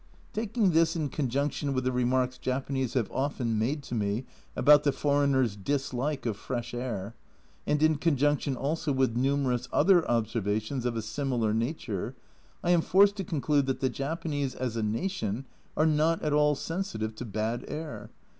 Taking this in conjunction with the remarks Japanese have often made to me about the foreigners' dislike of fresh air, and in conjunction also with numerous other observations of a similar nature, I am forced to conclude that the Japanese, as a nation, are not at all sensitive to bad air.